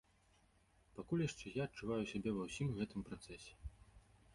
Пакуль яшчэ я адчуваю сябе ва ўсім гэтым працэсе.